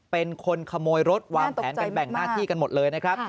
เป็นคนขโมยรถวางแผนกันแบ่งหน้าที่กันหมดเลยนะครับ